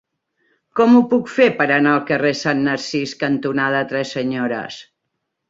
Com ho puc fer per anar al carrer Sant Narcís cantonada Tres Senyores?